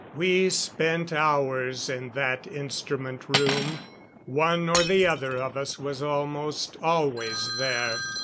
We spent hours in that instrument room one or the other of us was almost always there.